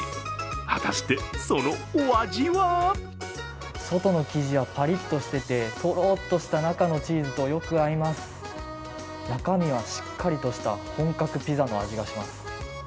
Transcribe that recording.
果たしてそのお味は外の生地はパリッとしていてとろっとした中のチーズとよく合います、中身はしっかりとした本格ピザの味がします。